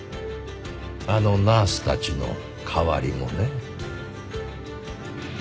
あのナースたちの代わりもね。